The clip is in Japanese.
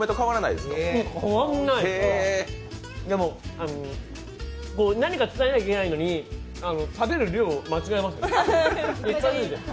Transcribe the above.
でも何か伝えなきゃいけないのに食べる量間違えました。